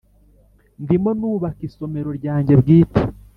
ndimo nubaka isomero ryanjye bwite,